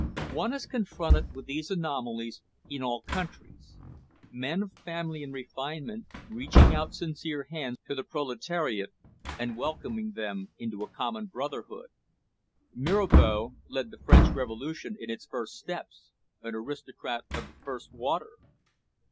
One is confronted with these anomalies in all countries men of family and refinement, reaching out sincere hands to the proletariat, and welcoming them into a common brotherhood. Mirabeau led the French Revolution in its first steps, an aristocrat of the first water.